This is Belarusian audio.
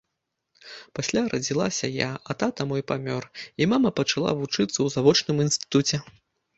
Пасля радзілася я, а тата мой памёр, і мама пачала вучыцца ў завочным інстытуце.